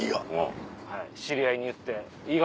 「知り合いに言って」。